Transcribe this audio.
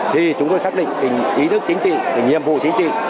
thì chúng tôi xác định ý thức chính trị nhiệm vụ chính trị